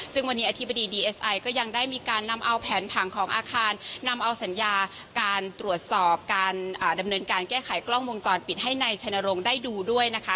ซึ่งวันนี้อธิบดีดีเอสไอก็ยังได้มีการนำเอาแผนผังของอาคารนำเอาสัญญาการตรวจสอบการดำเนินการแก้ไขกล้องวงจรปิดให้นายชัยนรงค์ได้ดูด้วยนะคะ